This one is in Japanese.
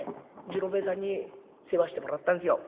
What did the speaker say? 次郎兵衛さんに世話してもらったんですよ。